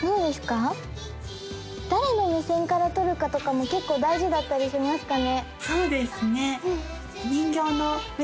誰の目線から撮るかとかも結構大事だったりしますかね